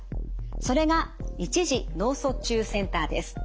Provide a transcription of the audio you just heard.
それが一次脳卒中センターです。